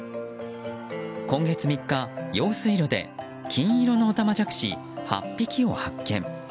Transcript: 今月３日、用水路で金色のオタマジャクシ８匹を発見。